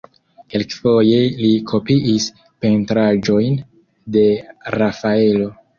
Kelkfoje li kopiis pentraĵojn de Rafaelo.